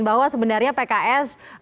bahwa sebenarnya pks